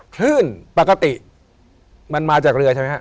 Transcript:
คลื่นปกติมันมาจากเรือใช่ไหมฮะ